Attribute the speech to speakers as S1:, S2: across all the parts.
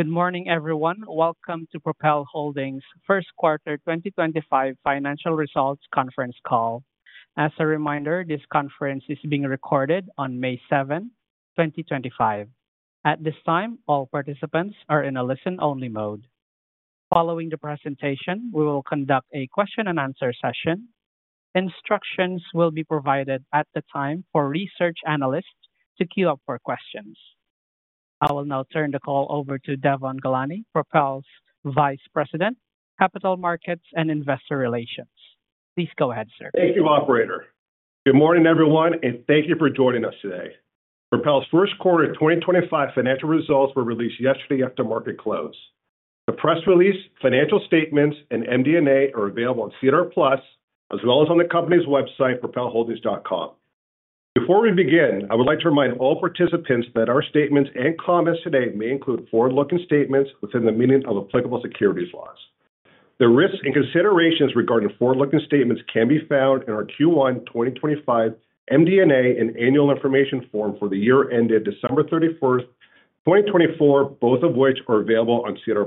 S1: Good morning, everyone. Welcome to Propel Holdings' first quarter 2025 financial results conference call. As a reminder, this conference is being recorded on May 7, 2025. At this time, all participants are in a listen-only mode. Following the presentation, we will conduct a question-and-answer session. Instructions will be provided at the time for research analysts to queue up for questions. I will now turn the call over to Devon Ghelani, Propel's Vice President, Capital Markets and Investor Relations. Please go ahead, sir.
S2: Thank you, Operator. Good morning, everyone, and thank you for joining us today. Propel's first quarter 2025 financial results were released yesterday after market close. The press release, financial statements, and MD&A are available on SEDAR+, as well as on the company's website, propelholdings.com. Before we begin, I would like to remind all participants that our statements and comments today may include forward-looking statements within the meaning of applicable securities laws. The risks and considerations regarding forward-looking statements can be found in our Q1 2025 MD&A and Annual Information Form for the year ended December 31, 2024, both of which are available on SEDAR+.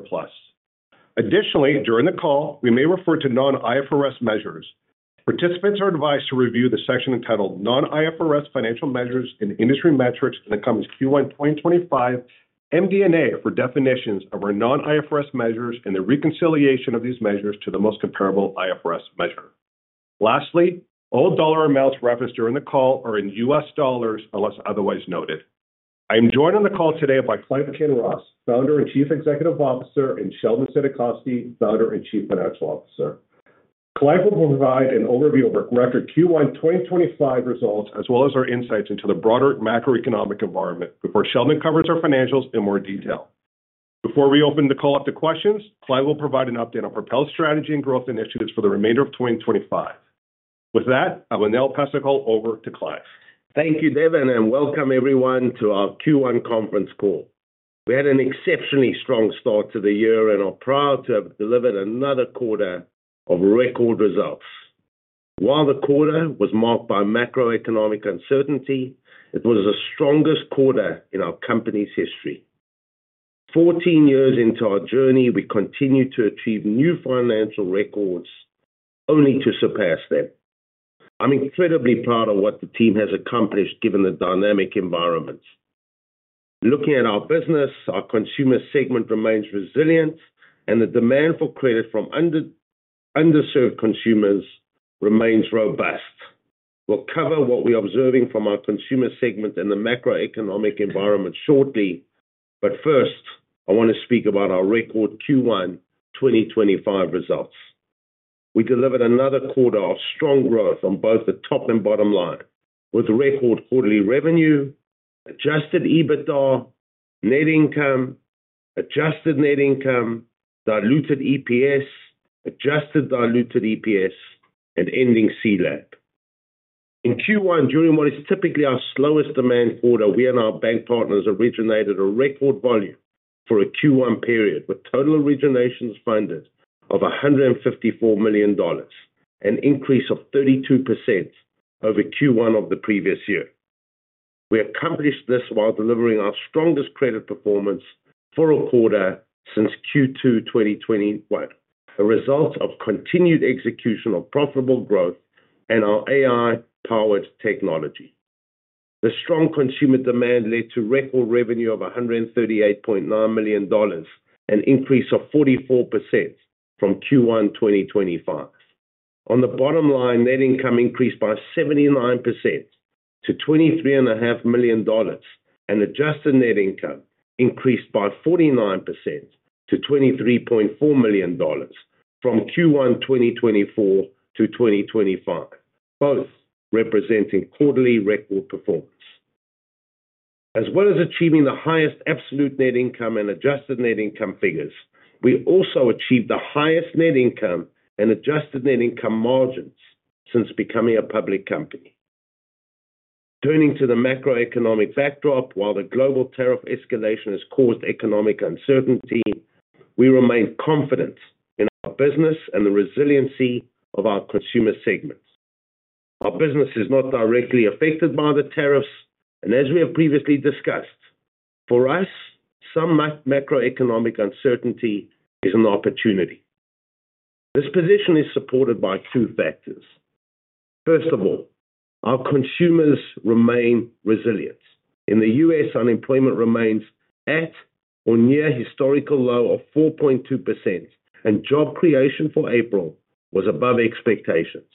S2: Additionally, during the call, we may refer to non-IFRS measures. Participants are advised to review the section entitled non-IFRS Financial Measures and Industry Metrics in the company's Q1 2025 MD&A for definitions of our non-IFRS measures and the reconciliation of these measures to the most comparable IFRS measure. Lastly, all dollar amounts referenced during the call are in U.S. dollars unless otherwise noted. I am joined on the call today by Clive Kinross, Founder and Chief Executive Officer, and Sheldon Saidakovsky, Founder and Chief Financial Officer. Clive will provide an overview of our record Q1 2025 results, as well as our insights into the broader macroeconomic environment, before Sheldon covers our financials in more detail. Before we open the call up to questions, Clive will provide an update on Propel's strategy and growth initiatives for the remainder of 2025. With that, I will now pass the call over to Clive.
S3: Thank you, David, and welcome everyone to our Q1 conference call. We had an exceptionally strong start to the year and are proud to have delivered another quarter of record results. While the quarter was marked by macroeconomic uncertainty, it was the strongest quarter in our company's history. 14 years into our journey, we continue to achieve new financial records, only to surpass them. I'm incredibly proud of what the team has accomplished given the dynamic environment. Looking at our business, our consumer segment remains resilient, and the demand for credit from underserved consumers remains robust. We'll cover what we're observing from our consumer segment and the macroeconomic environment shortly, but first, I want to speak about our record Q1 2025 results. We delivered another quarter of strong growth on both the top and bottom line, with record quarterly revenue, adjusted EBITDA, net income, adjusted net income, diluted EPS, adjusted diluted EPS, and ending C-LAP. In Q1, during what is typically our slowest demand quarter, we and our bank partners originated a record volume for a Q1 period, with total originations funded of $154 million, an increase of 32% over Q1 of the previous year. We accomplished this while delivering our strongest credit performance for a quarter since Q2 2021, a result of continued execution of profitable growth and our AI-powered technology. The strong consumer demand led to record revenue of $138.9 million and an increase of 44% from Q1 2025. On the bottom line, net income increased by 79% to $23.5 million, and adjusted net income increased by 49% to $23.4 million from Q1 2024 to 2025, both representing quarterly record performance. As well as achieving the highest absolute net income and adjusted net income figures, we also achieved the highest net income and adjusted net income margins since becoming a public company. Turning to the macroeconomic backdrop, while the global tariff escalation has caused economic uncertainty, we remain confident in our business and the resiliency of our consumer segments. Our business is not directly affected by the tariffs, and as we have previously discussed, for us, some macroeconomic uncertainty is an opportunity. This position is supported by two factors. First of all, our consumers remain resilient. In the U.S., unemployment remains at or near historical low of 4.2%, and job creation for April was above expectations.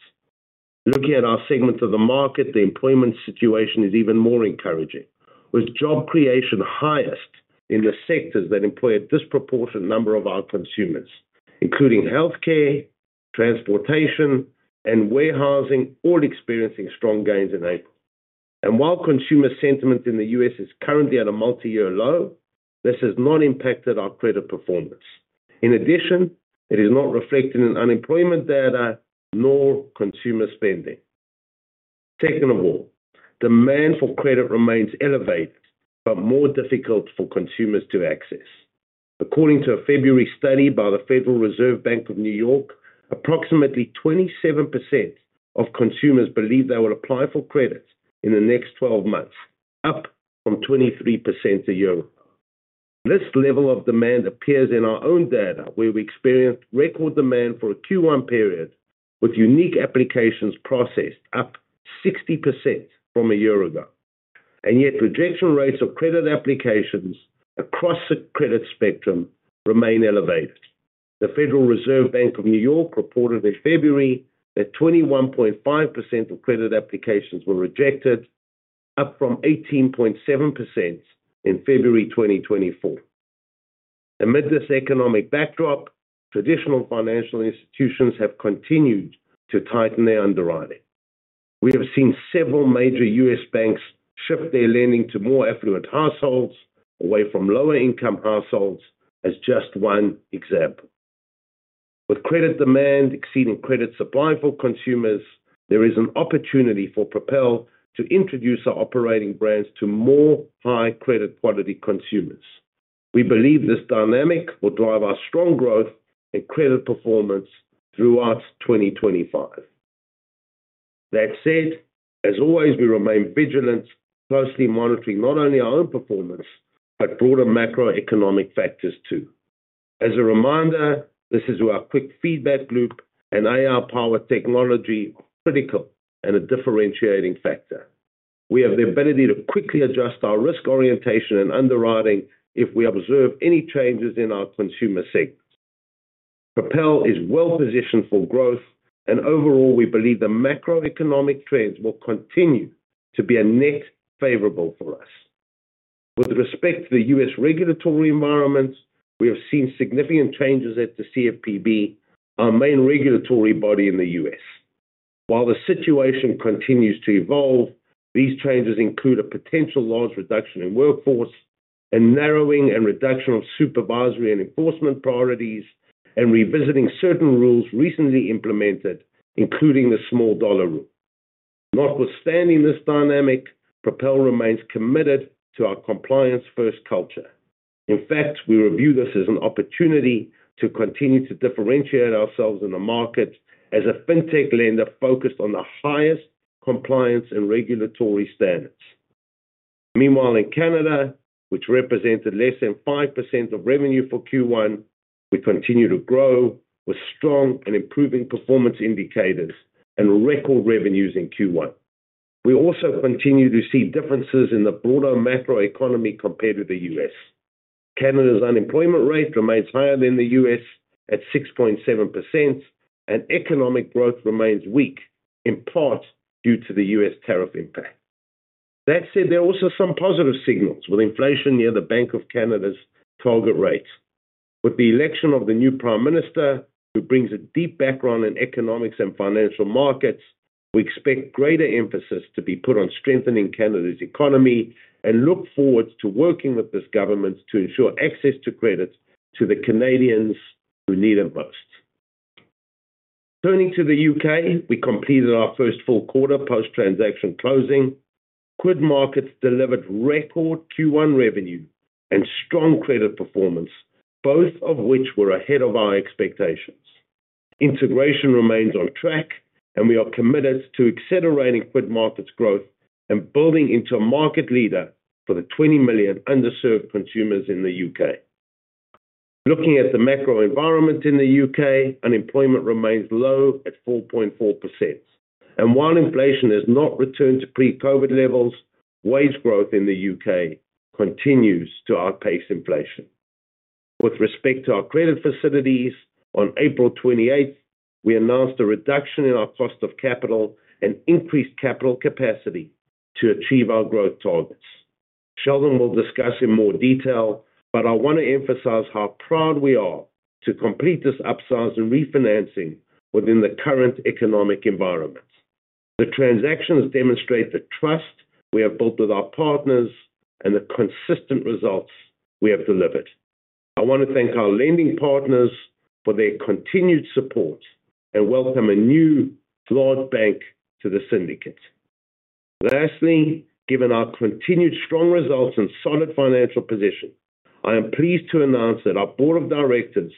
S3: Looking at our segment of the market, the employment situation is even more encouraging, with job creation highest in the sectors that employ a disproportionate number of our consumers, including healthcare, transportation, and warehousing, all experiencing strong gains in April. While consumer sentiment in the U.S. is currently at a multi-year low, this has not impacted our credit performance. In addition, it is not reflected in unemployment data nor consumer spending. Second of all, demand for credit remains elevated, but more difficult for consumers to access. According to a February study by the Federal Reserve Bank of New York, approximately 27% of consumers believe they will apply for credit in the next 12 months, up from 23% a year ago. This level of demand appears in our own data, where we experienced record demand for a Q1 period, with unique applications processed up 60% from a year ago. Yet, rejection rates of credit applications across the credit spectrum remain elevated. The Federal Reserve Bank of New York reported in February that 21.5% of credit applications were rejected, up from 18.7% in February 2024. Amid this economic backdrop, traditional financial institutions have continued to tighten their underwriting. We have seen several major U.S. banks shift their lending to more affluent households, away from lower-income households, as just one example. With credit demand exceeding credit supply for consumers, there is an opportunity for Propel to introduce our operating brands to more high-credit quality consumers. We believe this dynamic will drive our strong growth and credit performance throughout 2025. That said, as always, we remain vigilant, closely monitoring not only our own performance but broader macroeconomic factors too. As a reminder, this is where our quick feedback loop and AI-powered technology are critical and a differentiating factor. We have the ability to quickly adjust our risk orientation and underwriting if we observe any changes in our consumer segments. Propel is well-positioned for growth, and overall, we believe the macroeconomic trends will continue to be a net favorable for us. With respect to the U.S. regulatory environment, we have seen significant changes at the CFPB, our main regulatory body in the U.S. While the situation continues to evolve, these changes include a potential large reduction in workforce, a narrowing and reduction of supervisory and enforcement priorities, and revisiting certain rules recently implemented, including the small-dollar rule. Notwithstanding this dynamic, Propel remains committed to our compliance-first culture. In fact, we review this as an opportunity to continue to differentiate ourselves in the market as a fintech lender focused on the highest compliance and regulatory standards. Meanwhile, in Canada, which represented less than 5% of revenue for Q1, we continue to grow with strong and improving performance indicators and record revenues in Q1. We also continue to see differences in the broader macroeconomy compared to the U.S. Canada's unemployment rate remains higher than the U.S. at 6.7%, and economic growth remains weak, in part due to the U.S. tariff impact. That said, there are also some positive signals with inflation near the Bank of Canada's target rate. With the election of the new Prime Minister, who brings a deep background in economics and financial markets, we expect greater emphasis to be put on strengthening Canada's economy and look forward to working with this government to ensure access to credit to the Canadians who need it most. Turning to the U.K., we completed our first full quarter post-transaction closing. QuidMarket delivered record Q1 revenue and strong credit performance, both of which were ahead of our expectations. Integration remains on track, and we are committed to accelerating QuidMarket's growth and building into a market leader for the 20 million underserved consumers in the U.K. Looking at the macro environment in the U.K., unemployment remains low at 4.4%. While inflation has not returned to pre-COVID levels, wage growth in the U.K. continues to outpace inflation. With respect to our credit facilities, on April 28th, we announced a reduction in our cost of capital and increased capital capacity to achieve our growth targets. Sheldon will discuss in more detail, but I want to emphasize how proud we are to complete this upsize and refinancing within the current economic environment. The transactions demonstrate the trust we have built with our partners and the consistent results we have delivered. I want to thank our lending partners for their continued support and welcome a new large bank to the syndicate. Lastly, given our continued strong results and solid financial position, I am pleased to announce that our Board of Directors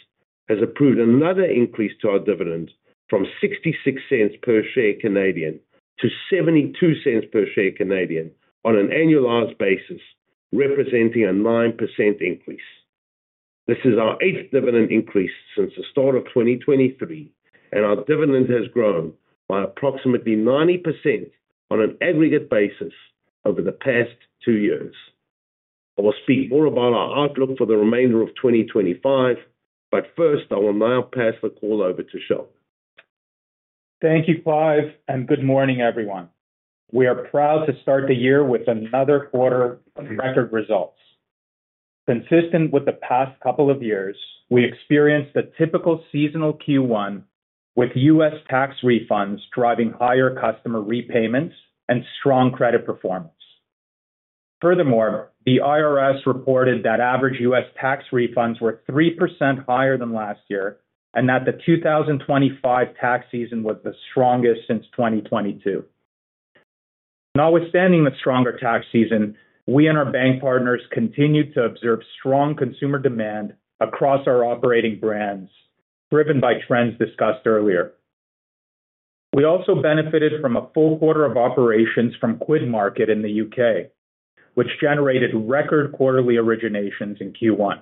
S3: has approved another increase to our dividend from 0.66 per share to 0.72 per share on an annualized basis, representing a 9% increase. This is our eighth dividend increase since the start of 2023, and our dividend has grown by approximately 90% on an aggregate basis over the past two years. I will speak more about our outlook for the remainder of 2025, but first, I will now pass the call over to Sheldon.
S4: Thank you, Clive, and good morning, everyone. We are proud to start the year with another quarter of record results. Consistent with the past couple of years, we experienced the typical seasonal Q1, with U.S. tax refunds driving higher customer repayments and strong credit performance. Furthermore, the IRS reported that average U.S. tax refunds were 3% higher than last year and that the 2025 tax season was the strongest since 2022. Notwithstanding the stronger tax season, we and our bank partners continued to observe strong consumer demand across our operating brands, driven by trends discussed earlier. We also benefited from a full quarter of operations from Quidmarket in the U.K., which generated record quarterly originations in Q1.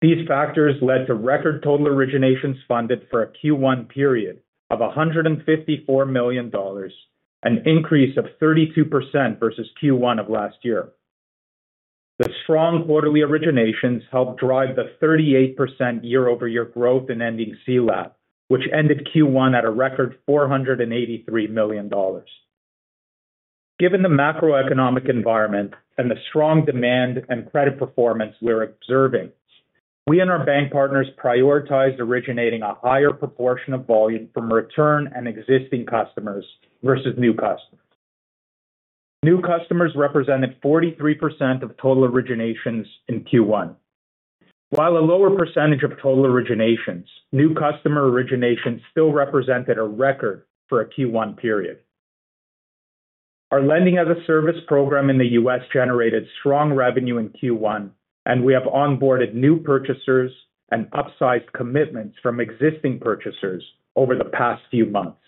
S4: These factors led to record total originations funded for a Q1 period of $154 million, an increase of 32% versus Q1 of last year. The strong quarterly originations helped drive the 38% year-over-year growth in ending C-LAP, which ended Q1 at a record $483 million. Given the macroeconomic environment and the strong demand and credit performance we are observing, we and our bank partners prioritized originating a higher proportion of volume from return and existing customers versus new customers. New customers represented 43% of total originations in Q1. While a lower percentage of total originations, new customer originations still represented a record for a Q1 period. Our lending-as-a-service program in the U.S. generated strong revenue in Q1, and we have onboarded new purchasers and upsized commitments from existing purchasers over the past few months.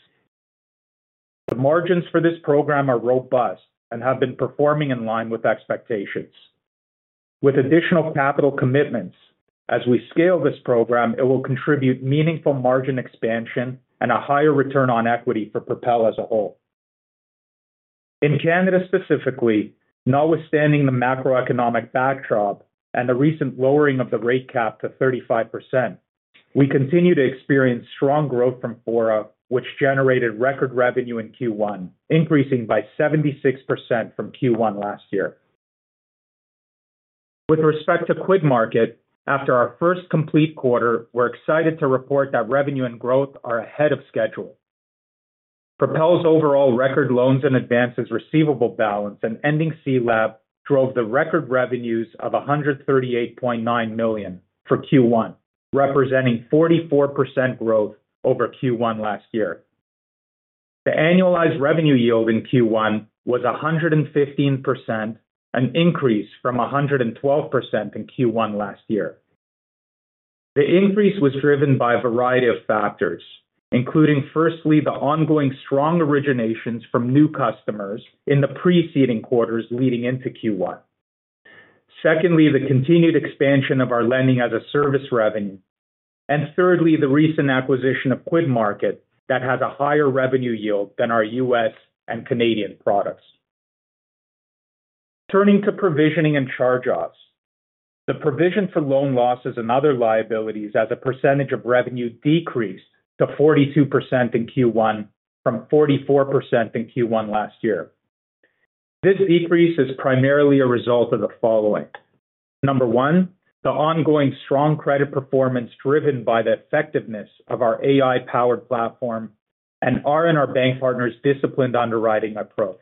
S4: The margins for this program are robust and have been performing in line with expectations. With additional capital commitments, as we scale this program, it will contribute meaningful margin expansion and a higher return on equity for Propel as a whole. In Canada specifically, notwithstanding the macroeconomic backdrop and the recent lowering of the rate cap to 35%, we continue to experience strong growth from FORA, which generated record revenue in Q1, increasing by 76% from Q1 last year. With respect to Quidmarket, after our first complete quarter, we're excited to report that revenue and growth are ahead of schedule. Propel's overall record loans and advances receivable balance and ending C-LAP drove the record revenues of $138.9 million for Q1, representing 44% growth over Q1 last year. The annualized revenue yield in Q1 was 115%, an increase from 112% in Q1 last year. The increase was driven by a variety of factors, including firstly the ongoing strong originations from new customers in the preceding quarters leading into Q1. Secondly, the continued expansion of our lending-as-a-service revenue. Thirdly, the recent acquisition of Quidmarket that has a higher revenue yield than our U.S. and Canadian products. Turning to provisioning and charge-offs, the provision for loan losses and other liabilities as a percentage of revenue decreased to 42% in Q1 from 44% in Q1 last year. This decrease is primarily a result of the following: Number one, the ongoing strong credit performance driven by the effectiveness of our AI-powered platform and our bank partners' disciplined underwriting approach.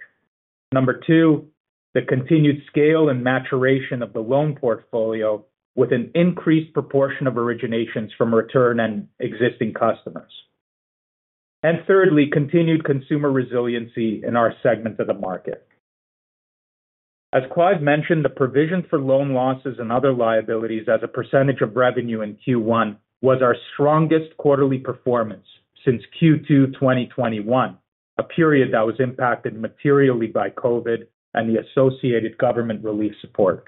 S4: Number two, the continued scale and maturation of the loan portfolio with an increased proportion of originations from return and existing customers. Thirdly, continued consumer resiliency in our segment of the market. As Clive mentioned, the provision for loan losses and other liabilities as a percentage of revenue in Q1 was our strongest quarterly performance since Q2 2021, a period that was impacted materially by COVID and the associated government relief support.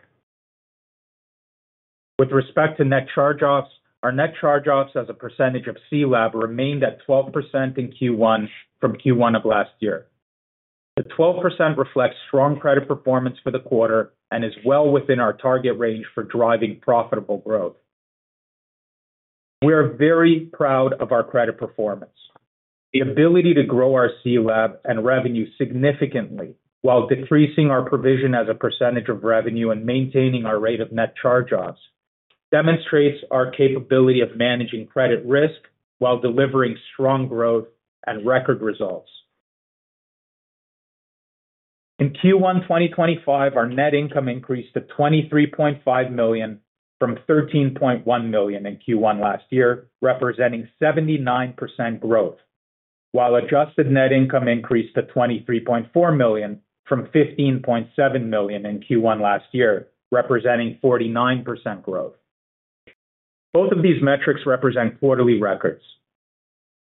S4: With respect to net charge-offs, our net charge-offs as a percentage of C-LAP remained at 12% in Q1 from Q1 of last year. The 12% reflects strong credit performance for the quarter and is well within our target range for driving profitable growth. We are very proud of our credit performance. The ability to grow our C-LAP and revenue significantly while decreasing our provision as a percentage of revenue and maintaining our rate of net charge-offs demonstrates our capability of managing credit risk while delivering strong growth and record results. In Q1 2025, our net income increased to $23.5 million from $13.1 million in Q1 last year, representing 79% growth, while adjusted net income increased to $23.4 million from $15.7 million in Q1 last year, representing 49% growth. Both of these metrics represent quarterly records.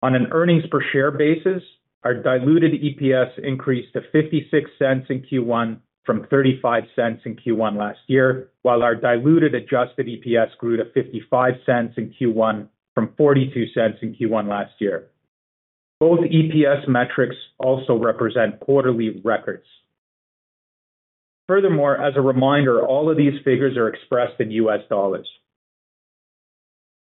S4: On an earnings-per-share basis, our diluted EPS increased to $0.56 in Q1 from $0.35 in Q1 last year, while our diluted adjusted EPS grew to $0.55 in Q1 from $0.42 in Q1 last year. Both EPS metrics also represent quarterly records. Furthermore, as a reminder, all of these figures are expressed in U.S. dollars.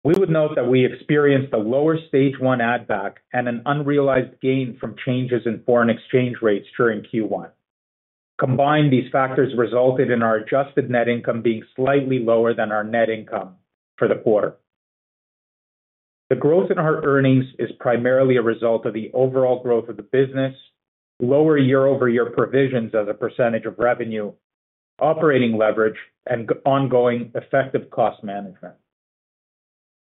S4: We would note that we experienced a lower stage one add-back and an unrealized gain from changes in foreign exchange rates during Q1. Combined, these factors resulted in our adjusted net income being slightly lower than our net income for the quarter. The growth in our earnings is primarily a result of the overall growth of the business, lower year-over-year provisions as a percentage of revenue, operating leverage, and ongoing effective cost management.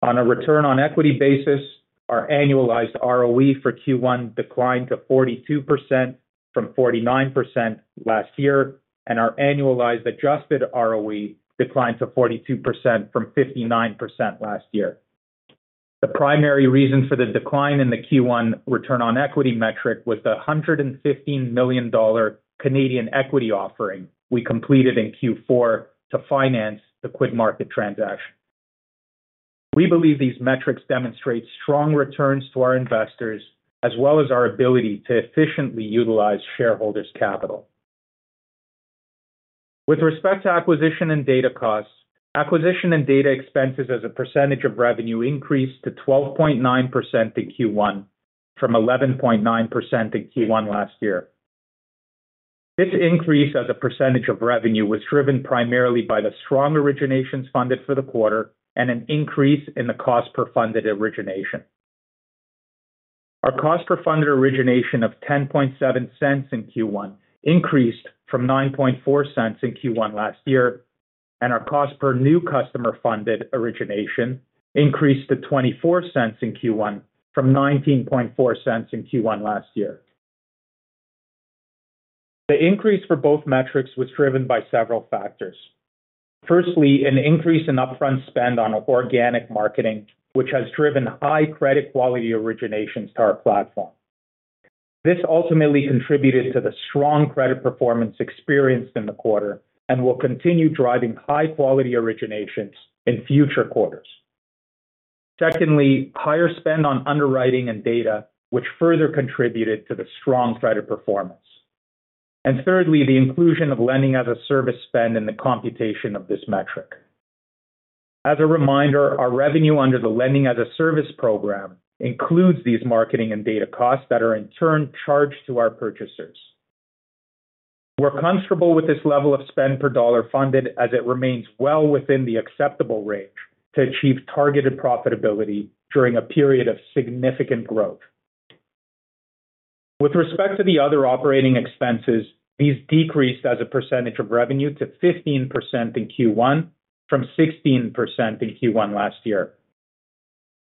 S4: On a return on equity basis, our annualized ROE for Q1 declined to 42% from 49% last year, and our annualized adjusted ROE declined to 42% from 59% last year. The primary reason for the decline in the Q1 return on equity metric was the 115 million Canadian dollars equity offering we completed in Q4 to finance the Quidmarket transaction. We believe these metrics demonstrate strong returns to our investors, as well as our ability to efficiently utilize shareholders' capital. With respect to acquisition and data costs, acquisition and data expenses as a percentage of revenue increased to 12.9% in Q1 from 11.9% in Q1 last year. This increase as a percentage of revenue was driven primarily by the strong originations funded for the quarter and an increase in the cost per funded origination. Our cost per funded origination of $0.107 in Q1 increased from $0.94 in Q1 last year, and our cost per new customer funded origination increased to $0.24 in Q1 from $0.194 in Q1 last year. The increase for both metrics was driven by several factors. Firstly, an increase in upfront spend on organic marketing, which has driven high credit quality originations to our platform. This ultimately contributed to the strong credit performance experienced in the quarter and will continue driving high quality originations in future quarters. Secondly, higher spend on underwriting and data, which further contributed to the strong credit performance. Thirdly, the inclusion of lending-as-a-service spend in the computation of this metric. As a reminder, our revenue under the lending-as-a-service program includes these marketing and data costs that are in turn charged to our purchasers. We're comfortable with this level of spend per dollar funded as it remains well within the acceptable range to achieve targeted profitability during a period of significant growth. With respect to the other operating expenses, these decreased as a percentage of revenue to 15% in Q1 from 16% in Q1 last year.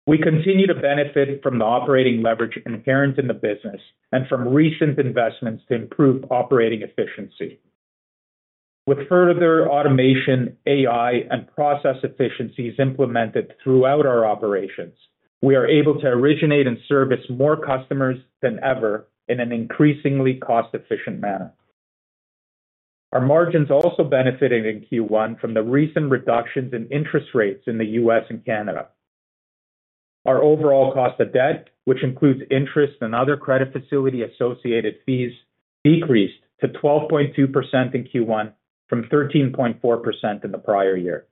S4: We continue to benefit from the operating leverage inherent in the business and from recent investments to improve operating efficiency. With further automation, AI, and process efficiencies implemented throughout our operations, we are able to originate and service more customers than ever in an increasingly cost-efficient manner. Our margins also benefited in Q1 from the recent reductions in interest rates in the U.S. and Canada. Our overall cost of debt, which includes interest and other credit facility-associated fees, decreased to 12.2% in Q1 from 13.4% in the prior year.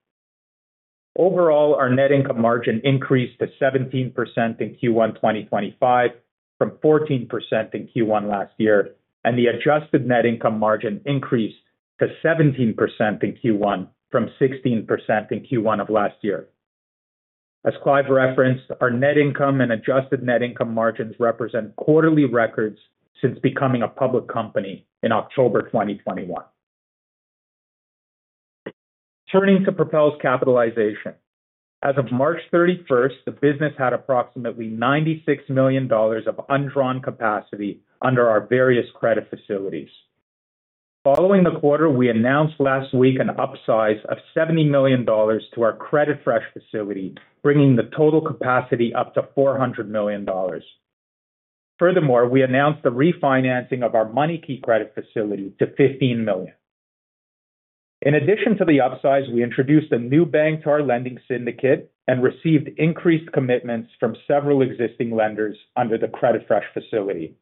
S4: Overall, our net income margin increased to 17% in Q1 2025 from 14% in Q1 last year, and the adjusted net income margin increased to 17% in Q1 from 16% in Q1 of last year. As Clive referenced, our net income and adjusted net income margins represent quarterly records since becoming a public company in October 2021. Turning to Propel's capitalization, as of March 31, the business had approximately $96 million of undrawn capacity under our various credit facilities. Following the quarter, we announced last week an upsize of $70 million to our CreditFresh facility, bringing the total capacity up to $400 million. Furthermore, we announced the refinancing of our MoneyKey credit facility to $15 million. In addition to the upsize, we introduced a new bank to our lending syndicate and received increased commitments from several existing lenders under the CreditFresh facility.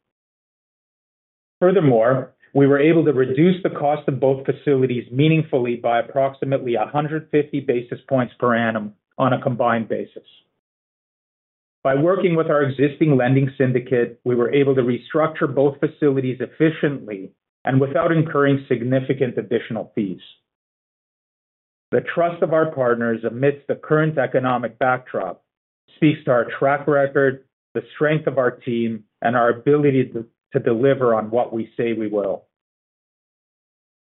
S4: Furthermore, we were able to reduce the cost of both facilities meaningfully by approximately 150 basis points per annum on a combined basis. By working with our existing lending syndicate, we were able to restructure both facilities efficiently and without incurring significant additional fees. The trust of our partners amidst the current economic backdrop speaks to our track record, the strength of our team, and our ability to deliver on what we say we will.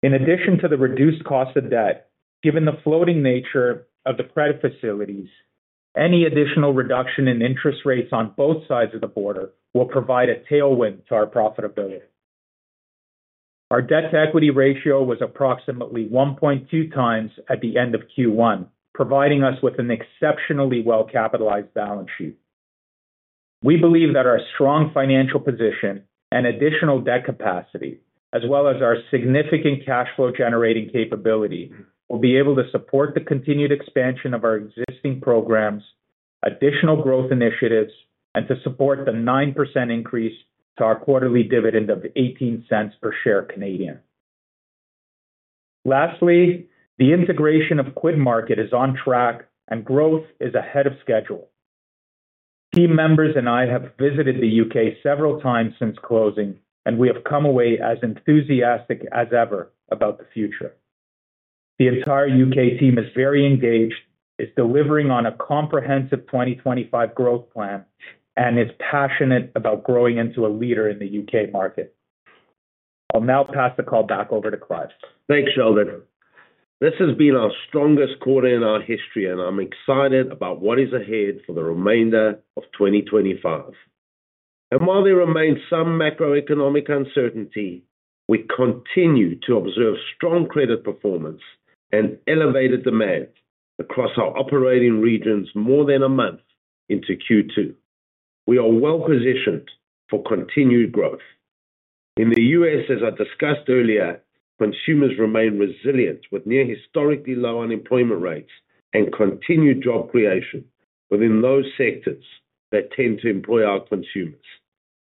S4: In addition to the reduced cost of debt, given the floating nature of the credit facilities, any additional reduction in interest rates on both sides of the border will provide a tailwind to our profitability. Our debt-to-equity ratio was approximately 1.2X at the end of Q1, providing us with an exceptionally well-capitalized balance sheet. We believe that our strong financial position and additional debt capacity, as well as our significant cash flow generating capability, will be able to support the continued expansion of our existing programs, additional growth initiatives, and to support the 9% increase to our quarterly dividend of 0.18 per share. Lastly, the integration of QuidMarket is on track, and growth is ahead of schedule. Team members and I have visited the U.K. several times since closing, and we have come away as enthusiastic as ever about the future. The entire U.K. team is very engaged, is delivering on a comprehensive 2025 growth plan, and is passionate about growing into a leader in the U.K. market. I'll now pass the call back over to Clive.
S3: Thanks, Sheldon. This has been our strongest quarter in our history, and I'm excited about what is ahead for the remainder of 2025. While there remains some macroeconomic uncertainty, we continue to observe strong credit performance and elevated demand across our operating regions more than a month into Q2. We are well-positioned for continued growth. In the U.S., as I discussed earlier, consumers remain resilient with near-historically low unemployment rates and continued job creation within those sectors that tend to employ our consumers.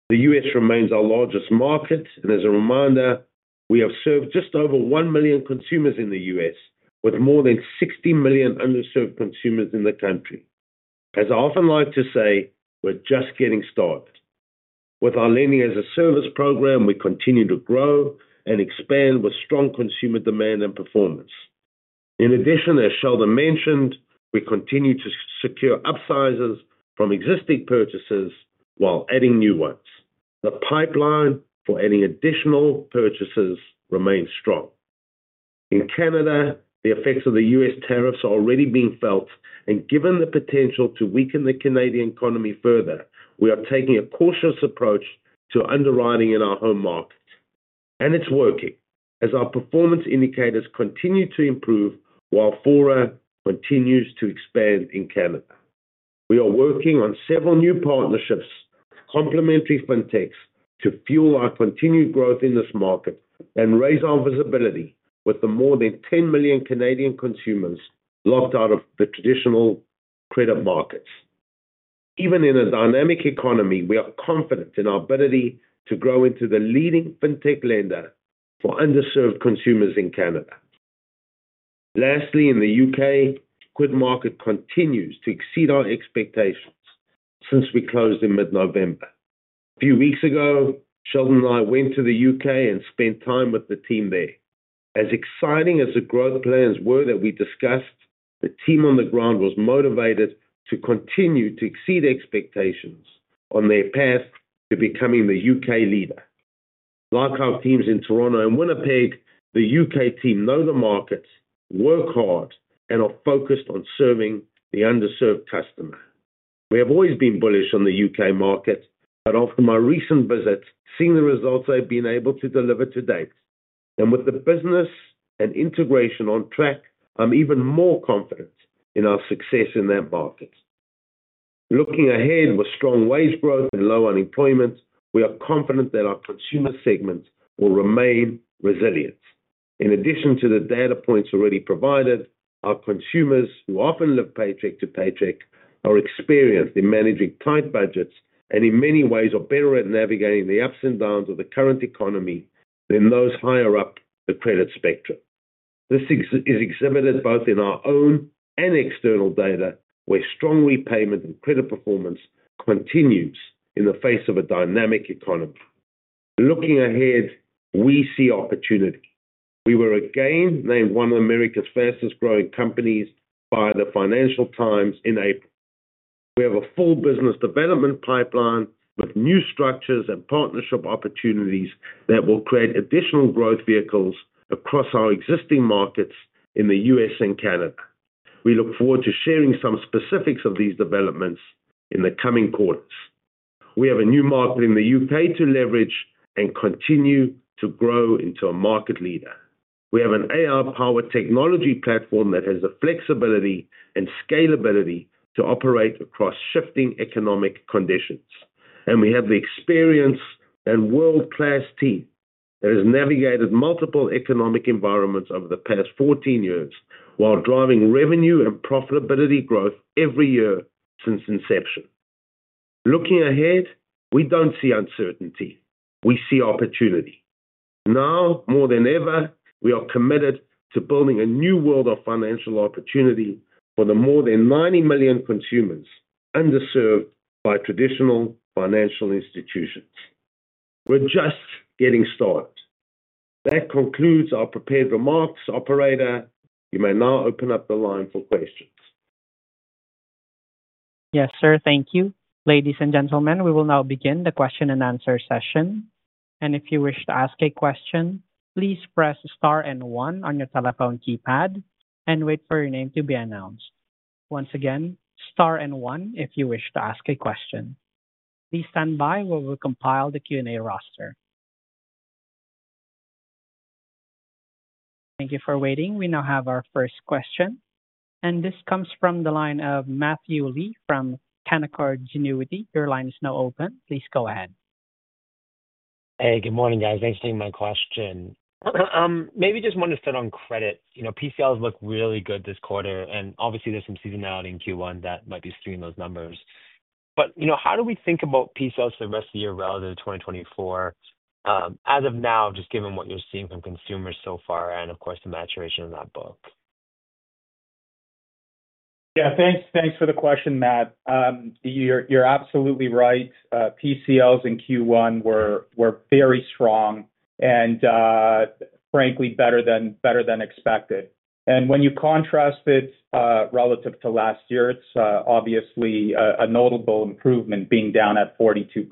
S3: The U.S. remains our largest market, and as a reminder, we have served just over 1 million consumers in the U.S., with more than 60 million underserved consumers in the country. As I often like to say, we're just getting started. With our lending-as-a-service program, we continue to grow and expand with strong consumer demand and performance. In addition, as Sheldon mentioned, we continue to secure upsizes from existing purchases while adding new ones. The pipeline for adding additional purchases remains strong. In Canada, the effects of the U.S. tariffs are already being felt, and given the potential to weaken the Canadian economy further, we are taking a cautious approach to underwriting in our home market. It is working, as our performance indicators continue to improve while FORA continues to expand in Canada. We are working on several new partnerships, complementary fintechs, to fuel our continued growth in this market and raise our visibility with the more than 10 million Canadian consumers locked out of the traditional credit markets. Even in a dynamic economy, we are confident in our ability to grow into the leading fintech lender for underserved consumers in Canada. Lastly, in the U.K., QuidMarket continues to exceed our expectations since we closed in mid-November. A few weeks ago, Sheldon and I went to the U.K. and spent time with the team there. As exciting as the growth plans were that we discussed, the team on the ground was motivated to continue to exceed expectations on their path to becoming the U.K. leader. Like our teams in Toronto and Winnipeg, the U.K. team know the markets, work hard, and are focused on serving the underserved customer. We have always been bullish on the U.K. market, but after my recent visit, seeing the results I've been able to deliver to date, and with the business and integration on track, I'm even more confident in our success in that market. Looking ahead with strong wage growth and low unemployment, we are confident that our consumer segment will remain resilient. In addition to the data points already provided, our consumers, who often live paycheck to paycheck, are experienced in managing tight budgets and in many ways are better at navigating the ups and downs of the current economy than those higher up the credit spectrum. This is exhibited both in our own and external data, where strong repayment and credit performance continues in the face of a dynamic economy. Looking ahead, we see opportunity. We were again named one of America's fastest-growing companies by the Financial Times in April. We have a full business development pipeline with new structures and partnership opportunities that will create additional growth vehicles across our existing markets in the U.S. and Canada. We look forward to sharing some specifics of these developments in the coming quarters. We have a new market in the U.K. to leverage and continue to grow into a market leader. We have an AI-powered technology platform that has the flexibility and scalability to operate across shifting economic conditions. We have the experience and world-class team that has navigated multiple economic environments over the past 14 years while driving revenue and profitability growth every year since inception. Looking ahead, we do not see uncertainty. We see opportunity. Now more than ever, we are committed to building a new world of financial opportunity for the more than 90 million consumers underserved by traditional financial institutions. We are just getting started. That concludes our prepared remarks, Operator. You may now open up the line for questions.
S1: Yes, sir, thank you. Ladies and gentlemen, we will now begin the question and answer session. If you wish to ask a question, please press Star and 1 on your telephone keypad and wait for your name to be announced. Once again, star and 1 if you wish to ask a question. Please stand by while we compile the Q&A roster. Thank you for waiting. We now have our first question. This comes from the line of Matthew Lee from Canaccord Genuity. Your line is now open. Please go ahead.
S5: Hey, good morning, guys. Thanks for taking my question. Maybe just want to start on credit. You know, PCIs look really good this quarter, and obviously there is some seasonality in Q1 that might be skewing those numbers. You know, how do we think about PCIs for the rest of the year relative to 2024? As of now, just given what you are seeing from consumers so far and, of course, the maturation of that book.
S4: Yeah, thanks. Thanks for the question, Matt. You are absolutely right. PCIs in Q1 were very strong and, frankly, better than expected. When you contrast it relative to last year, it's obviously a notable improvement being down at 42%.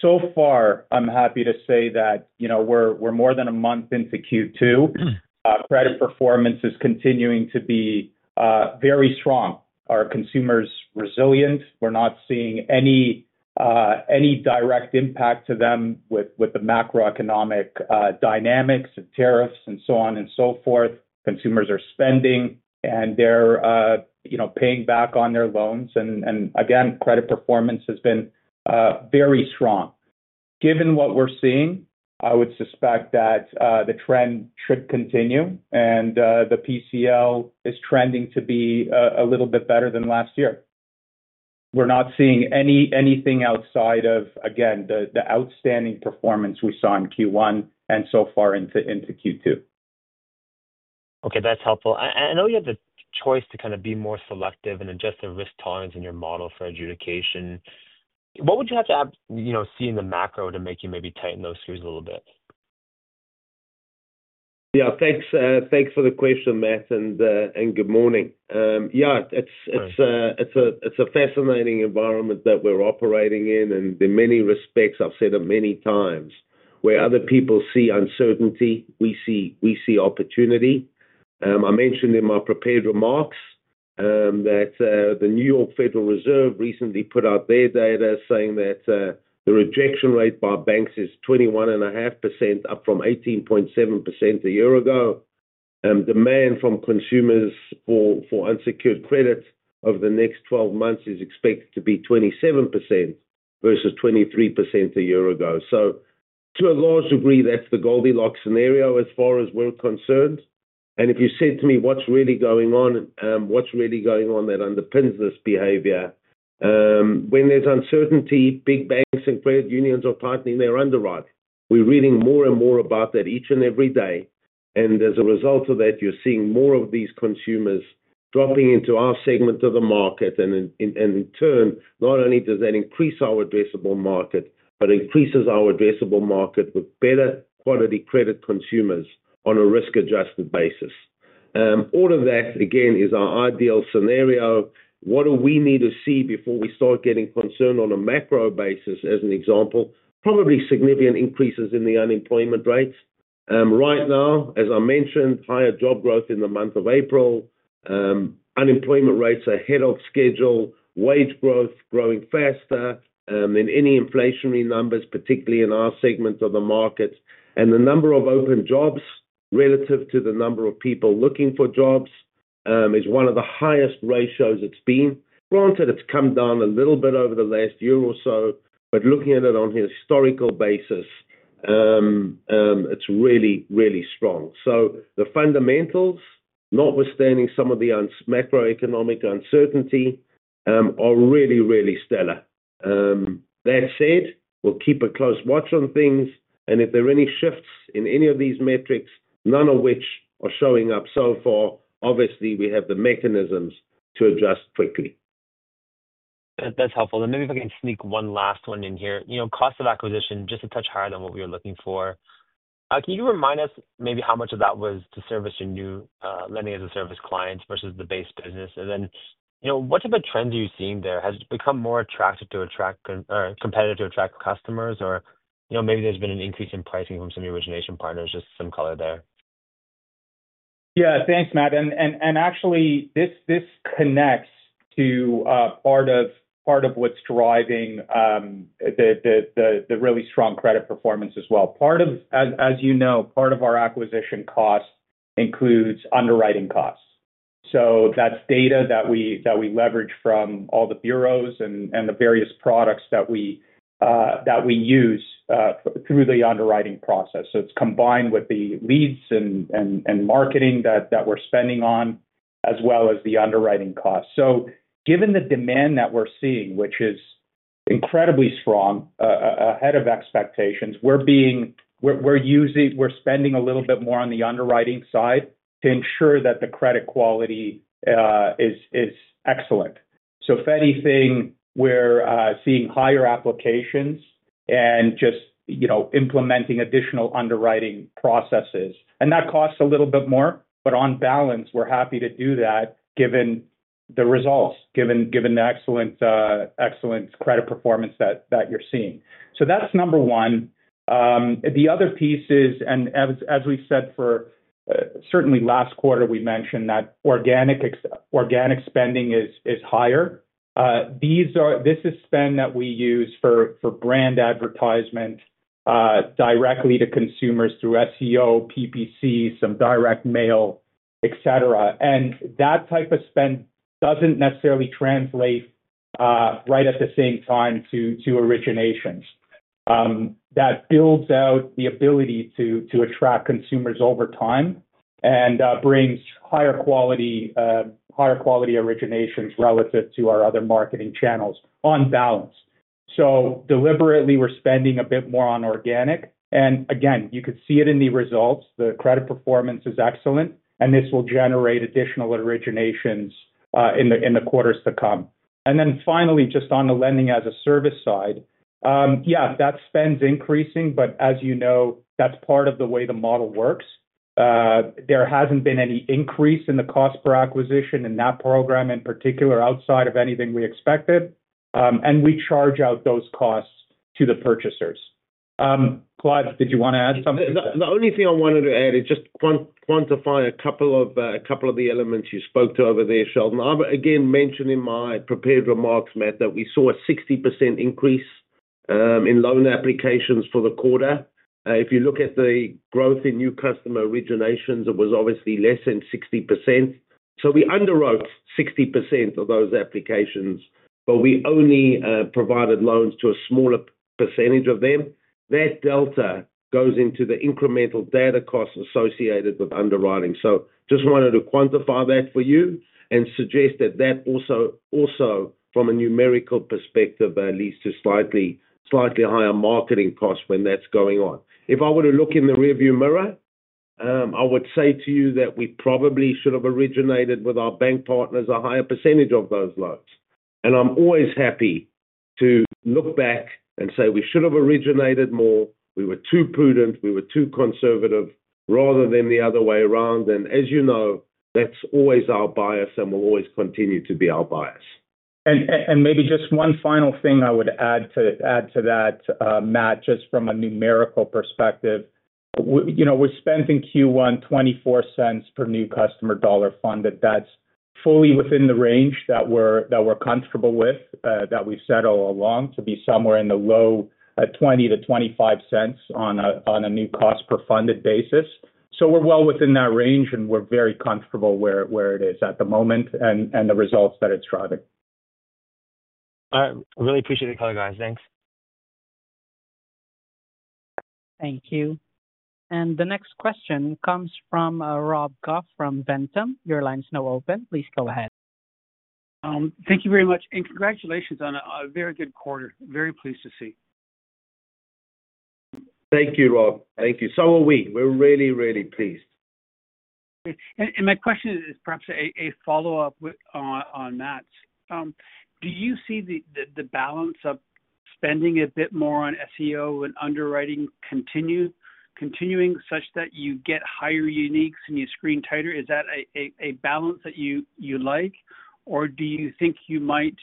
S4: So far, I'm happy to say that, you know, we're more than a month into Q2. Credit performance is continuing to be very strong. Our consumers are resilient. We're not seeing any direct impact to them with the macroeconomic dynamics and tariffs and so on and so forth. Consumers are spending, and they're paying back on their loans. Again, credit performance has been very strong. Given what we're seeing, I would suspect that the trend should continue, and the PCI is trending to be a little bit better than last year. We're not seeing anything outside of, again, the outstanding performance we saw in Q1 and so far into Q2.
S5: Okay, that's helpful. I know you had the choice to kind of be more selective and adjust the risk tolerance in your model for adjudication. What would you have to see in the macro to make you maybe tighten those screws a little bit?
S3: Yeah, thanks for the question, Matt, and good morning. Yeah, it's a fascinating environment that we're operating in, and in many respects, I've said it many times, where other people see uncertainty, we see opportunity. I mentioned in my prepared remarks that the New York Federal Reserve recently put out their data, saying that the rejection rate by banks is 21.5%, up from 18.7% a year ago. Demand from consumers for unsecured credit over the next 12 months is expected to be 27% versus 23% a year ago. To a large degree, that's the Goldilocks scenario as far as we're concerned. If you said to me, what's really going on, what's really going on that underpins this behavior? When there's uncertainty, big banks and credit unions are partnering their underwriting. We're reading more and more about that each and every day. As a result of that, you're seeing more of these consumers dropping into our segment of the market. In turn, not only does that increase our addressable market, but it increases our addressable market with better quality credit consumers on a risk-adjusted basis. All of that, again, is our ideal scenario. What do we need to see before we start getting concerned on a macro basis, as an example? Probably significant increases in the unemployment rates. Right now, as I mentioned, higher job growth in the month of April, unemployment rates ahead of schedule, wage growth growing faster than any inflationary numbers, particularly in our segment of the market. The number of open jobs relative to the number of people looking for jobs is one of the highest ratios it's been. Granted, it's come down a little bit over the last year or so, but looking at it on a historical basis, it's really, really strong. The fundamentals, notwithstanding some of the macroeconomic uncertainty, are really, really stellar. That said, we'll keep a close watch on things. If there are any shifts in any of these metrics, none of which are showing up so far, obviously we have the mechanisms to adjust quickly.
S5: That's helpful. Maybe if I can sneak one last one in here. You know, cost of acquisition, just a touch higher than what we were looking for. Can you remind us maybe how much of that was to service your new lending-as-a-service clients versus the base business? And then, you know, what type of trends are you seeing there? Has it become more attractive to attract or competitive to attract customers? Or, you know, maybe there's been an increase in pricing from some of your origination partners, just some color there?
S4: Yeah, thanks, Matt. Actually, this connects to part of what's driving the really strong credit performance as well. As you know, part of our acquisition cost includes underwriting costs. That's data that we leverage from all the bureaus and the various products that we use through the underwriting process. It's combined with the leads and marketing that we're spending on, as well as the underwriting costs. Given the demand that we're seeing, which is incredibly strong, ahead of expectations, we're spending a little bit more on the underwriting side to ensure that the credit quality is excellent. If anything, we're seeing higher applications and just, you know, implementing additional underwriting processes. That costs a little bit more, but on balance, we're happy to do that given the results, given the excellent credit performance that you're seeing. That's number one. The other piece is, and as we said for certainly last quarter, we mentioned that organic spending is higher. This is spend that we use for brand advertisement directly to consumers through SEO, PPC, some direct mail, etc. That type of spend doesn't necessarily translate right at the same time to originations. That builds out the ability to attract consumers over time and brings higher quality originations relative to our other marketing channels on balance. Deliberately, we're spending a bit more on organic. Again, you can see it in the results. The credit performance is excellent, and this will generate additional originations in the quarters to come. Finally, just on the lending-as-a-service side, yeah, that spend's increasing, but as you know, that's part of the way the model works. There hasn't been any increase in the cost per acquisition in that program in particular outside of anything we expected. We charge out those costs to the purchasers. Clive, did you want to add something?
S3: The only thing I wanted to add is just quantify a couple of the elements you spoke to over there, Sheldon. I'm again mentioning in my prepared remarks, Matt, that we saw a 60% increase in loan applications for the quarter. If you look at the growth in new customer originations, it was obviously less than 60%. We underwrote 60% of those applications, but we only provided loans to a smaller percentage of them. That delta goes into the incremental data costs associated with underwriting. I just wanted to quantify that for you and suggest that that also, from a numerical perspective, leads to slightly higher marketing costs when that's going on. If I were to look in the rearview mirror, I would say to you that we probably should have originated with our bank partners a higher percentage of those loans. I'm always happy to look back and say we should have originated more. We were too prudent. We were too conservative, rather than the other way around. As you know, that's always our bias, and will always continue to be our bias.
S4: Maybe just one final thing I would add to that, Matt, just from a numerical perspective. You know, we're spending Q1 $0.24 per new customer dollar funded. That's fully within the range that we're comfortable with, that we've said all along, to be somewhere in the low $0.20-$0.25 on a new cost per funded basis. We're well within that range, and we're very comfortable where it is at the moment and the results that it's driving.
S5: I really appreciate the call, guys. Thanks.
S1: Thank you. The next question comes from Rob Goff from Ventum. Your line's now open. Please go ahead.
S6: Thank you very much. Congratulations on a very good quarter. Very pleased to see.
S3: Thank you, Rob. Thank you. So are we. We're really, really pleased.
S6: My question is perhaps a follow-up on Matt's. Do you see the balance of spending a bit more on SEO and underwriting continuing such that you get higher uniques and you screen tighter? Is that a balance that you like, or do you think you might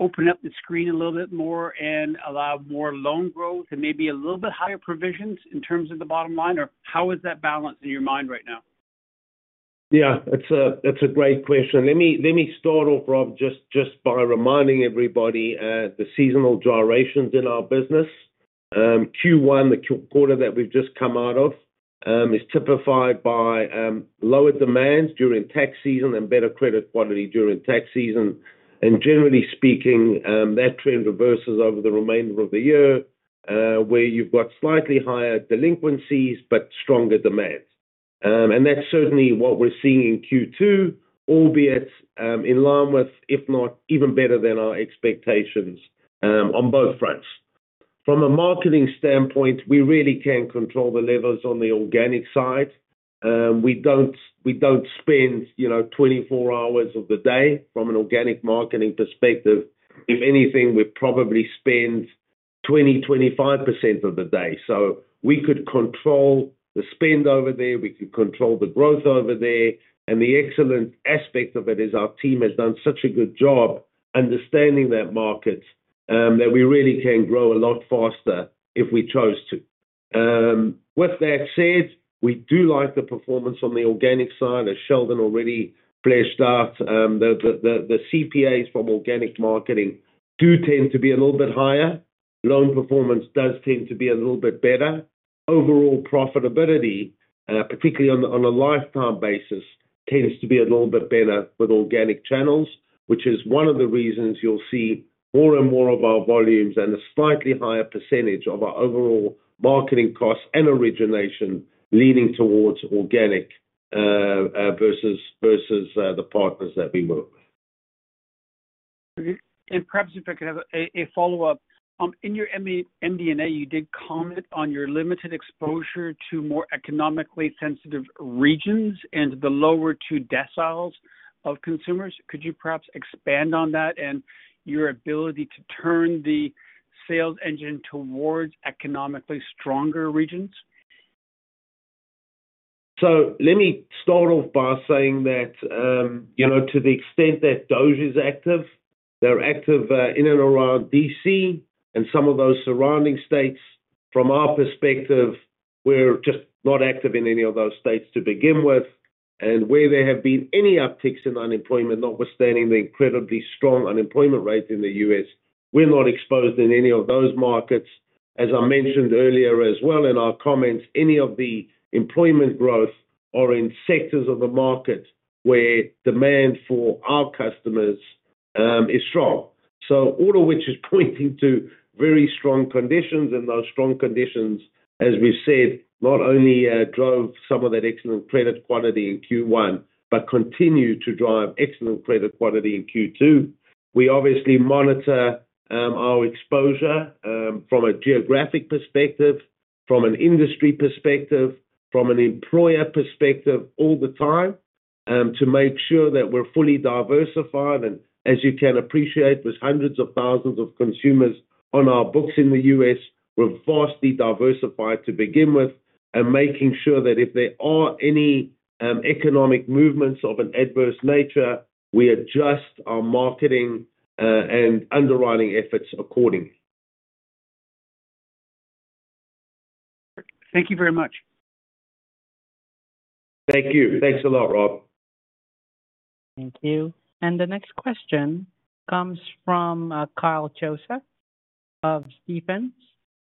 S6: open up the screen a little bit more and allow more loan growth and maybe a little bit higher provisions in terms of the bottom line? How is that balance in your mind right now?
S3: Yeah, that's a great question. Let me start off, Rob, just by reminding everybody the seasonal gyrations in our business. Q1, the quarter that we've just come out of, is typified by lower demand during tax season and better credit quality during tax season. Generally speaking, that trend reverses over the remainder of the year, where you have slightly higher delinquencies, but stronger demand. That is certainly what we are seeing in Q2, albeit in line with, if not even better than, our expectations on both fronts. From a marketing standpoint, we really can control the levels on the organic side. We do not spend 24 hours of the day from an organic marketing perspective. If anything, we probably spend 20%-25% of the day. We could control the spend over there. We could control the growth over there. The excellent aspect of it is our team has done such a good job understanding that market that we really can grow a lot faster if we chose to. With that said, we do like the performance on the organic side, as Sheldon already fleshed out. The CPAs from organic marketing do tend to be a little bit higher. Loan performance does tend to be a little bit better. Overall profitability, particularly on a lifetime basis, tends to be a little bit better with organic channels, which is one of the reasons you'll see more and more of our volumes and a slightly higher percentage of our overall marketing costs and origination leaning towards organic versus the partners that we work with.
S6: Perhaps if I could have a follow-up. In your MD&A, you did comment on your limited exposure to more economically sensitive regions and the lower two deciles of consumers. Could you perhaps expand on that and your ability to turn the sales engine towards economically stronger regions?
S3: Let me start off by saying that, you know, to the extent that DOGE is active, they're active in and around D.C. and some of those surrounding states. From our perspective, we're just not active in any of those states to begin with. Where there have been any upticks in unemployment, notwithstanding the incredibly strong unemployment rates in the U.S., we're not exposed in any of those markets. As I mentioned earlier as well in our comments, any of the employment growth are in sectors of the market where demand for our customers is strong. All of which is pointing to very strong conditions. Those strong conditions, as we've said, not only drove some of that excellent credit quality in Q1, but continue to drive excellent credit quality in Q2. We obviously monitor our exposure from a geographic perspective, from an industry perspective, from an employer perspective all the time to make sure that we're fully diversified. As you can appreciate, there are hundreds of thousands of consumers on our books in the U.S. We are vastly diversified to begin with. Making sure that if there are any economic movements of an adverse nature, we adjust our marketing and underwriting efforts accordingly.
S6: Thank you very much.
S4: Thank you.
S3: Thanks a lot, Rob.
S1: Thank you. The next question comes from Kyle Chosak of Stephens.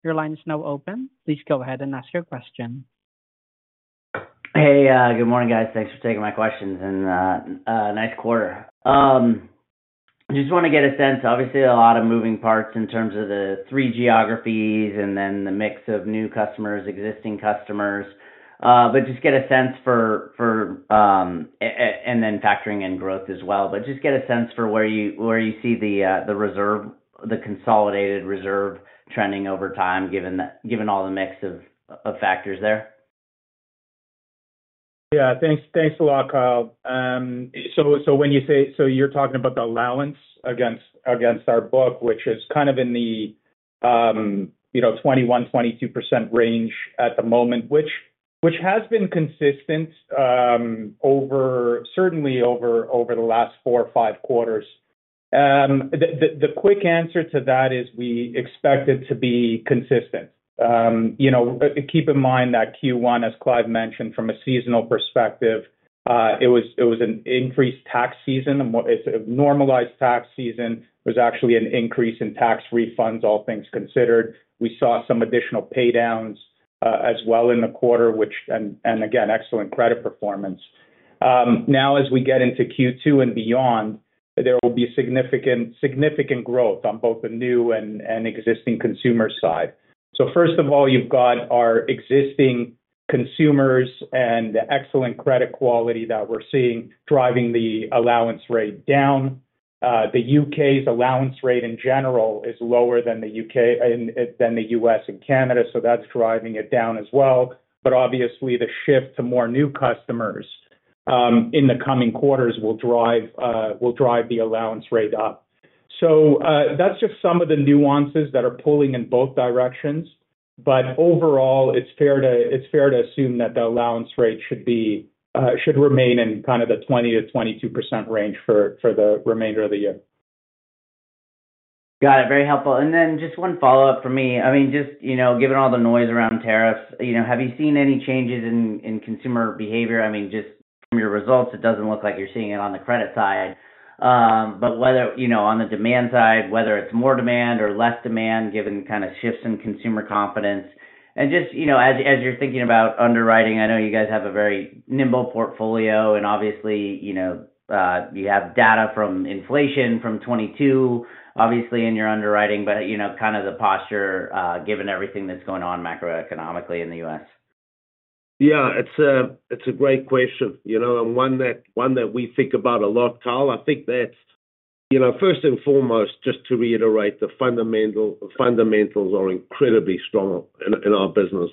S1: Your line is now open. Please go ahead and ask your question.
S7: Hey, good morning, guys. Thanks for taking my questions. Nice quarter. Just want to get a sense, obviously, a lot of moving parts in terms of the three geographies and then the mix of new customers, existing customers. Just get a sense for, and then factoring in growth as well. Just get a sense for where you see the reserve, the consolidated reserve trending over time, given all the mix of factors there.
S4: Yeah, thanks a lot, Kyle. When you say, so you're talking about the allowance against our book, which is kind of in the 21%-22% range at the moment, which has been consistent over, certainly over the last four or five quarters. The quick answer to that is we expect it to be consistent. You know, keep in mind that Q1, as Clive mentioned, from a seasonal perspective, it was an increased tax season. It's a normalized tax season. There was actually an increase in tax refunds, all things considered. We saw some additional paydowns as well in the quarter, which, and again, excellent credit performance. Now, as we get into Q2 and beyond, there will be significant growth on both the new and existing consumer side. First of all, you've got our existing consumers and the excellent credit quality that we're seeing driving the allowance rate down. The U.K.'s allowance rate in general is lower than the U.S. and Canada, so that's driving it down as well. Obviously, the shift to more new customers in the coming quarters will drive the allowance rate up. That's just some of the nuances that are pulling in both directions. Overall, it's fair to assume that the allowance rate should remain in kind of the 20%-22% range for the remainder of the year.
S7: Got it. Very helpful. And then just one follow-up for me. I mean, just, you know, given all the noise around tariffs, you know, have you seen any changes in consumer behavior? I mean, just from your results, it does not look like you are seeing it on the credit side. Whether, you know, on the demand side, whether it is more demand or less demand, given kind of shifts in consumer confidence. Just, you know, as you are thinking about underwriting, I know you guys have a very nimble portfolio. Obviously, you know, you have data from inflation from 2022, obviously, in your underwriting, but, you know, kind of the posture given everything that is going on macroeconomically in the U.S.
S3: Yeah, it is a great question. You know, and one that we think about a lot, Kyle, I think that, you know, first and foremost, just to reiterate, the fundamentals are incredibly strong in our business,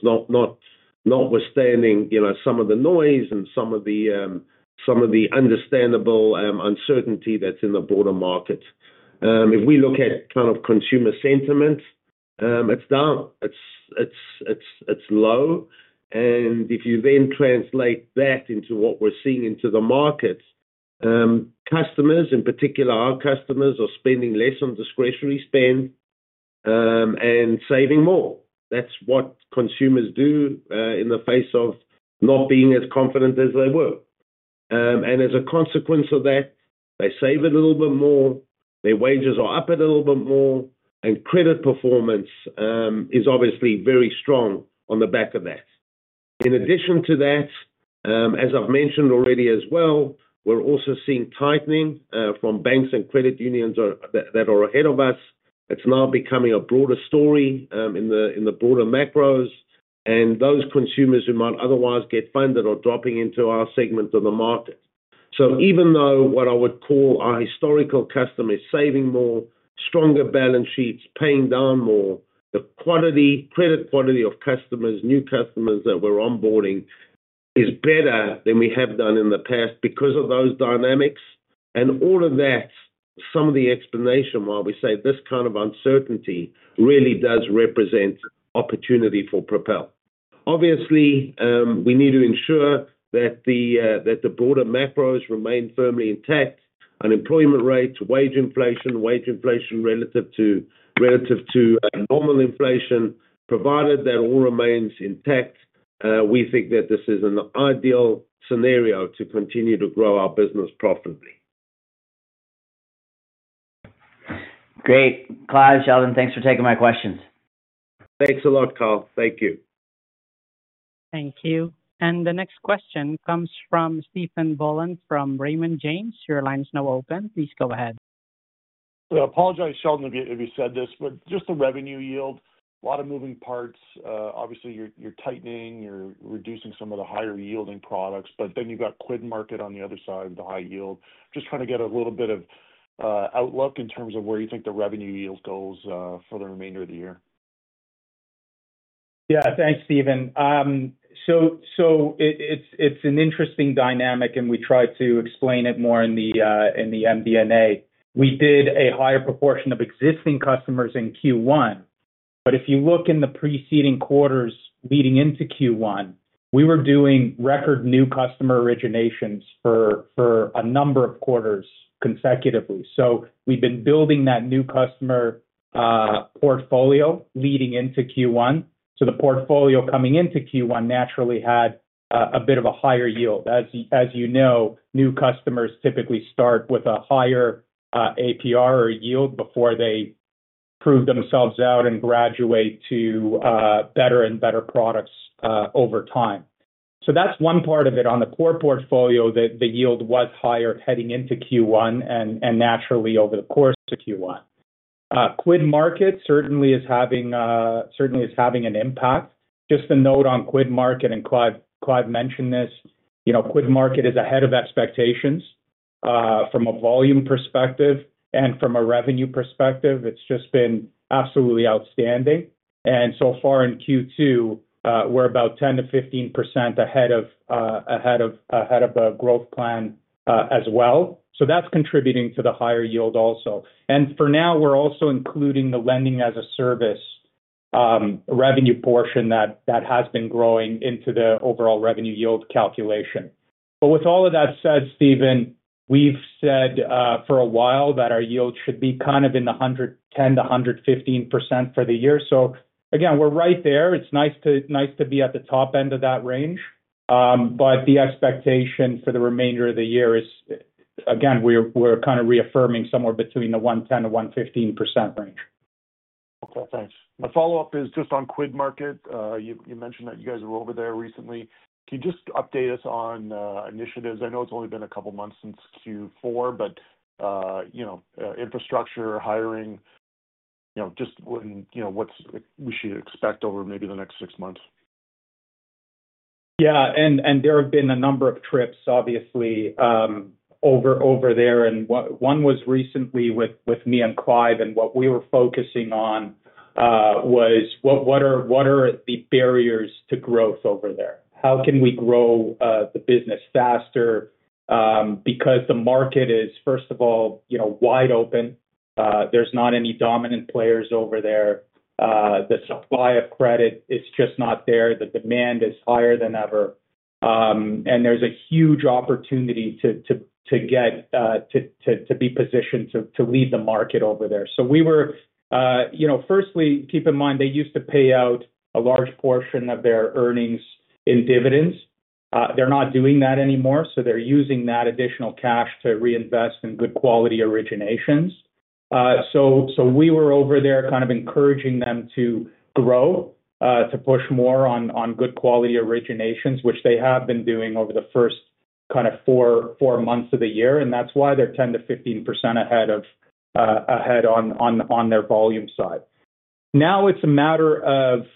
S3: notwithstanding, you know, some of the noise and some of the understandable uncertainty that's in the broader market. If we look at kind of consumer sentiment, it's down. It's low. If you then translate that into what we're seeing into the market, customers, in particular our customers, are spending less on discretionary spend and saving more. That's what consumers do in the face of not being as confident as they were. As a consequence of that, they save a little bit more. Their wages are up a little bit more. Credit performance is obviously very strong on the back of that. In addition to that, as I've mentioned already as well, we're also seeing tightening from banks and credit unions that are ahead of us. It is now becoming a broader story in the broader macros. Those consumers who might otherwise get funded are dropping into our segment of the market. Even though what I would call our historical customers are saving more, stronger balance sheets, paying down more, the quality, credit quality of customers, new customers that we're onboarding is better than we have done in the past because of those dynamics. All of that is some of the explanation why we say this kind of uncertainty really does represent opportunity for Propel. Obviously, we need to ensure that the broader macros remain firmly intact. Unemployment rates, wage inflation, wage inflation relative to normal inflation, provided that all remains intact, we think that this is an ideal scenario to continue to grow our business profitably.
S7: Great. Clive, Sheldon, thanks for taking my questions.
S3: Thanks a lot, Kyle. Thank you.
S1: Thank you. The next question comes from Stephen Boland from Raymond James. Your line is now open. Please go ahead.
S8: I apologize, Sheldon, if you said this, but just the revenue yield, a lot of moving parts. Obviously, you are tightening, you are reducing some of the higher yielding products, but then you have got Quidmarket on the other side, the high yield. Just trying to get a little bit of outlook in terms of where you think the revenue yield goes for the remainder of the year.
S4: Yeah, thanks, Stephen. It is an interesting dynamic, and we tried to explain it more in the MD&A. We did a higher proportion of existing customers in Q1. If you look in the preceding quarters leading into Q1, we were doing record new customer originations for a number of quarters consecutively. We have been building that new customer portfolio leading into Q1. The portfolio coming into Q1 naturally had a bit of a higher yield. As you know, new customers typically start with a higher APR or yield before they prove themselves out and graduate to better and better products over time. That is one part of it. On the core portfolio, the yield was higher heading into Q1 and naturally over the course of Q1. QuidMarket certainly is having an impact. Just a note on QuidMarket, and Clive mentioned this. You know, QuidMarkets is ahead of expectations from a volume perspective and from a revenue perspective. It has just been absolutely outstanding. So far in Q2, we're about 10-15% ahead of a growth plan as well. That's contributing to the higher yield also. For now, we're also including the lending-as-a-service revenue portion that has been growing into the overall revenue yield calculation. With all of that said, Stephen, we've said for a while that our yield should be kind of in the 110-115% for the year. Again, we're right there. It's nice to be at the top end of that range. The expectation for the remainder of the year is, again, we're kind of reaffirming somewhere between the 110-115% range.
S8: Okay, thanks. My follow-up is just on Quidmarket. You mentioned that you guys were over there recently. Can you just update us on initiatives? I know it's only been a couple of months since Q4, but, you know, infrastructure, hiring, you know, just what we should expect over maybe the next six months.
S4: Yeah, and there have been a number of trips, obviously, over there. One was recently with me and Clive, and what we were focusing on was what are the barriers to growth over there? How can we grow the business faster? Because the market is, first of all, you know, wide open. There's not any dominant players over there. The supply of credit is just not there. The demand is higher than ever. There's a huge opportunity to get to be positioned to lead the market over there. We were, you know, firstly, keep in mind they used to pay out a large portion of their earnings in dividends. They're not doing that anymore. They're using that additional cash to reinvest in good quality originations. We were over there kind of encouraging them to grow, to push more on good quality originations, which they have been doing over the first kind of four months of the year. That is why they're 10-15% ahead on their volume side. Now, it's a matter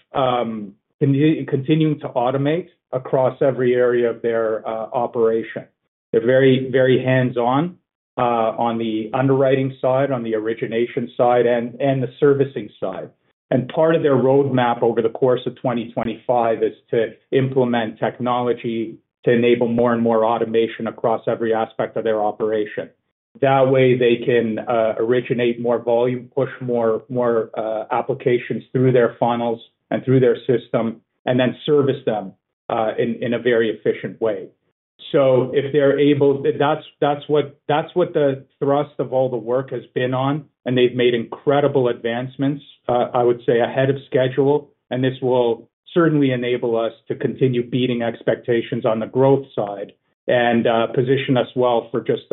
S4: of continuing to automate across every area of their operation. They're very hands-on on the underwriting side, on the origination side, and the servicing side. Part of their roadmap over the course of 2025 is to implement technology to enable more and more automation across every aspect of their operation. That way, they can originate more volume, push more applications through their funnels and through their system, and then service them in a very efficient way. If they're able, that's what the thrust of all the work has been on. They've made incredible advancements, I would say, ahead of schedule. This will certainly enable us to continue beating expectations on the growth side and position us well for just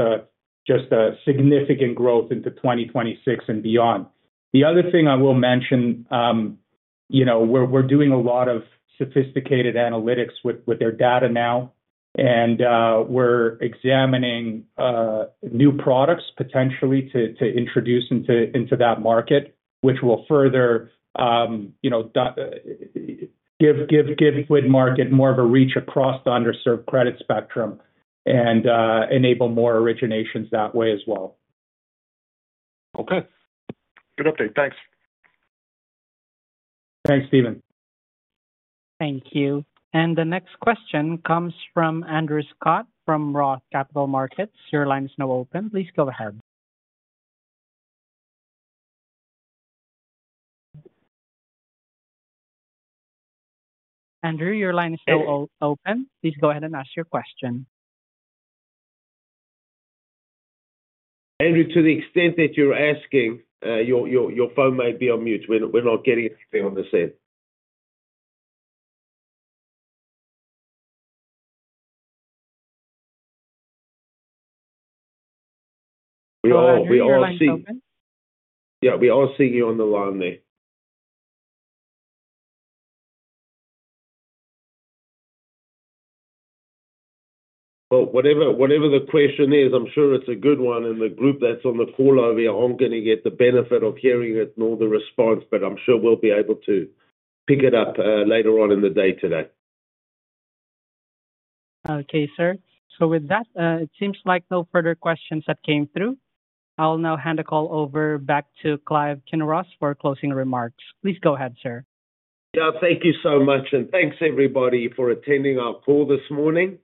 S4: significant growth into 2026 and beyond. The other thing I will mention, you know, we're doing a lot of sophisticated analytics with their data now. We're examining new products potentially to introduce into that market, which will further, you know, give Quidmarket more of a reach across the underserved credit spectrum and enable more originations that way as well.
S8: Okay. Good update. Thanks.
S4: Thanks, Stephen.
S1: Thank you. The next question comes from Andrew Scott from Roth Capital Markets. Your line is now open. Please go ahead. Andrew, your line is still open. Please go ahead and ask your question.
S3: Andrew, to the extent that you're asking, your phone might be on mute. We're not getting anything on the scene. We are seeing you on the line there. Whatever the question is, I'm sure it's a good one. The group that's on the call over here aren't going to get the benefit of hearing it nor the response, but I'm sure we'll be able to pick it up later on in the day today.
S1: Okay, sir. With that, it seems like no further questions have come through. I'll now hand the call over back to Clive Kinross for closing remarks. Please go ahead, sir.
S3: Yeah, thank you so much. Thanks, everybody, for attending our call this morning.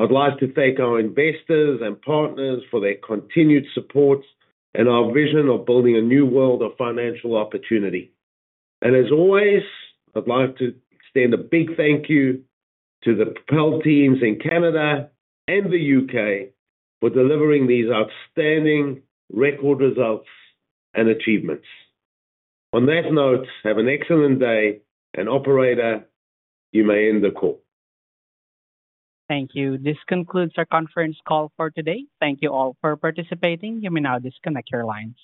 S3: I'd like to thank our investors and partners for their continued support and our vision of building a new world of financial opportunity. I would like to extend a big thank you to the Propel teams in Canada and the U.K. for delivering these outstanding record results and achievements. On that note, have an excellent day, and operator, you may end the call.
S1: Thank you. This concludes our conference call for today. Thank you all for participating. You may now disconnect your lines.